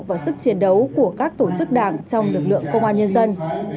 và sức chiến đấu của các tổ chức đảng trong lực lượng công an nhân dân